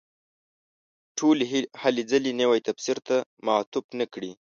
ټولې هلې ځلې نوي تفسیر ته معطوف نه کړي.